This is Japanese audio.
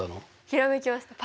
ひらめきました。